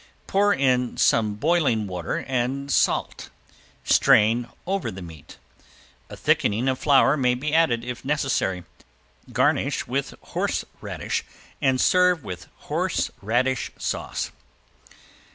Pour in some boiling water and salt. Strain over the meat. A thickening of flour may be added if necessary. Garnish with horseradish and serve with horseradish sauce.